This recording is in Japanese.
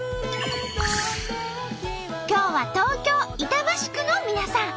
今日は東京板橋区の皆さん。